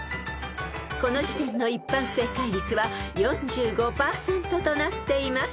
［この時点の一般正解率は４５％となっています］